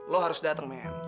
lo harus dateng men